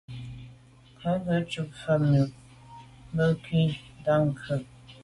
Ŋkrʉ̀n gə́ cúp à’ fə́ mbə́ á yûp cú mbɑ́ bú khǐ tà’ ŋkrʉ̀n.